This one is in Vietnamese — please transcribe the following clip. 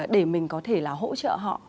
để mình có thể là hỗ trợ họ